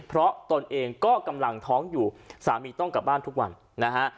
เพราะตนเองก็กำลังท้องอยู่สามีต้องกลับบ้านทุกวันนะฮะ